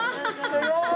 すごい！